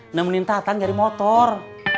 nggak menintakan dari motor